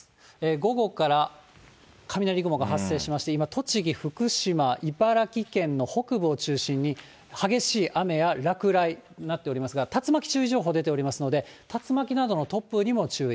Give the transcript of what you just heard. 午後から雷雲が発生しまして、今、栃木、福島、茨城県の北部を中心に、激しい雨や落雷になっておりますが、竜巻注意情報出ておりますので、竜巻などの突風にも注意。